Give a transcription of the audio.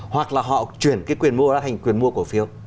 hoặc là họ chuyển cái quyền mua ra thành quyền mua cổ phiếu